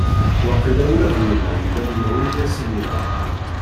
Waqila ula d winna yella menhu i asen-yenɣa!